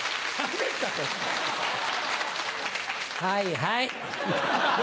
はいはい。